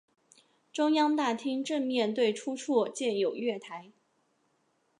中央大厅正面对出处建有月台。